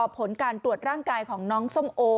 ผลการตรวจร่างกายของน้องส้มโอ